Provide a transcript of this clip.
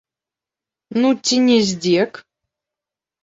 Ну, ці не здзек?